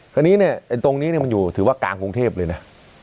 คราวนี้เนี่ยตรงนี้มันอยู่ถือว่ากลางกรุงเทพเลยนะ